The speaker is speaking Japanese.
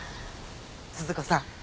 鈴子さん